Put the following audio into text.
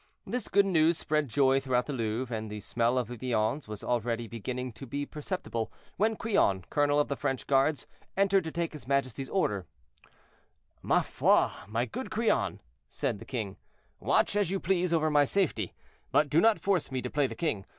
This good news spread joy throughout the Louvre, and the smell of the viands was already beginning to be perceptible, when Crillon, colonel of the French guards, entered to take his majesty's orders. "Ma foi, my good Crillon," said the king, "watch as you please over my safety, but do not force me to play the king.